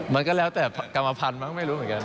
มันก็แล้วแต่กรรมภัณฑ์มั้งไม่รู้เหมือนกัน